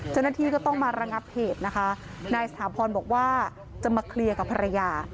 เจ้าหน้าที่ก็ต้องมาระงับเหตุนะคะ